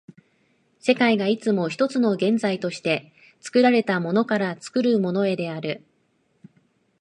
世界がいつも一つの現在として、作られたものから作るものへである。